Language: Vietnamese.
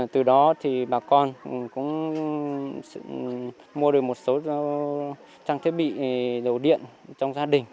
từ đó thì bà con cũng mua được một số trang thiết bị dầu điện trong gia đình